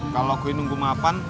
kalau gue nunggu mapan